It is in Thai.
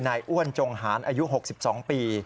อ้วนจงหานอายุ๖๒ปี